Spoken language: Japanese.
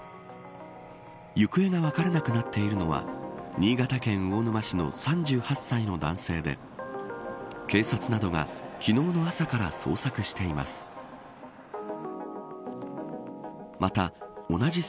行方が分からなくなっているのは新潟県魚沼市の３８歳の男性で警察などが昨日の朝から捜索しています。